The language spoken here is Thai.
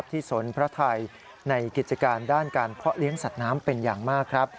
สนพระไทยในกิจการด้านการเพาะเลี้ยงสัตว์น้ำเป็นอย่างมากครับ